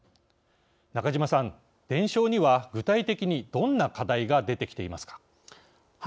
中島さん、伝承には具体的にどんな課題が出てきていますか。